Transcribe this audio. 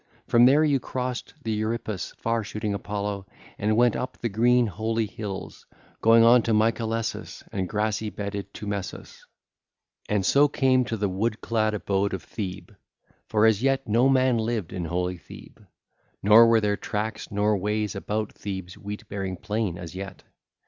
From there you crossed the Euripus, far shooting Apollo, and went up the green, holy hills, going on to Mycalessus and grassy bedded Teumessus, and so came to the wood clad abode of Thebe; for as yet no man lived in holy Thebe, nor were there tracks or ways about Thebe's wheat bearing plain as yet.